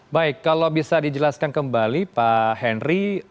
baik kalau bisa dijelaskan kembali pak henry